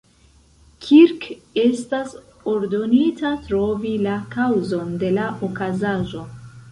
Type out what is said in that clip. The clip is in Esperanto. Kirk estas ordonita trovi la kaŭzon de la okazaĵo.